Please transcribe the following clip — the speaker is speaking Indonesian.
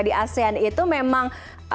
di asean itu memang